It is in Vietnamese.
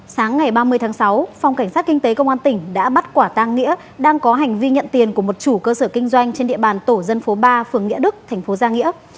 sáng ngày ba mươi tháng sáu phòng cảnh sát kinh tế công an tỉnh đã bắt quả tang nghĩa đang có hành vi nhận tiền của một chủ cơ sở kinh doanh trên địa bàn tổ dân phố ba phường nghĩa đức thành phố giang nghĩa